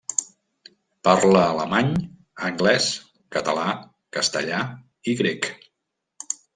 Parla alemany, anglès, català, castellà i grec.